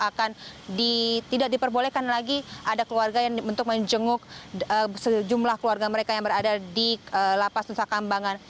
akan tidak diperbolehkan lagi ada keluarga yang untuk menjenguk sejumlah keluarga mereka yang berada di lapas nusa kambangan